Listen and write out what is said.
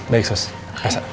baik sus keisha